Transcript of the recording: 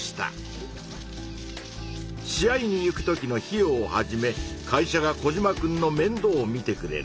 試合に行くときの費用をはじめ会社がコジマくんのめんどうをみてくれる。